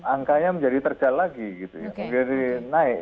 angkanya menjadi terjal lagi menjadi naik